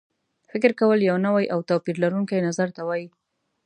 فکر کول یو نوي او توپیر لرونکي نظر ته وایي.